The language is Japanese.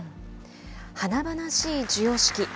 華々しい授与式。